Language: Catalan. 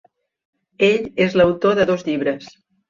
Ell és l'autor de dos llibres.